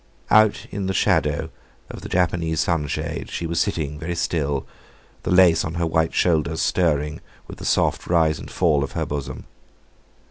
Out in the shadow of the Japanese sunshade she was sitting very still, the lace on her white shoulders stirring with the soft rise and fall of her bosom.